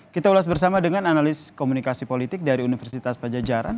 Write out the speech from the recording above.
kita ulas bersama dengan analis komunikasi politik dari universitas pajajaran